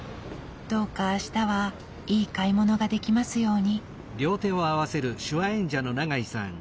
どうか明日はいい買い物ができますように。